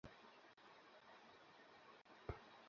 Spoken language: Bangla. আমি তোকে এই পৃথিবীটা দিচ্ছি!